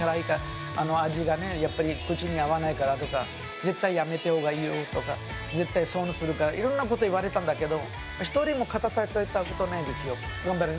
味が口に合わないからとか絶対やめたほうがいいよとか絶対損するからとかいろんなこと言われたんだけど１人も食べたことないですよ。